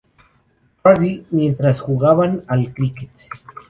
Hardy mientras jugaban al cricket.